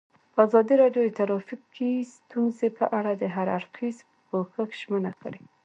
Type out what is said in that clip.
ازادي راډیو د ټرافیکي ستونزې په اړه د هر اړخیز پوښښ ژمنه کړې.